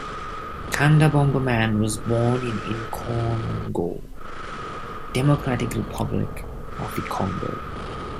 Kanda Bongo Man was born in Inongo, Democratic Republic of the Congo.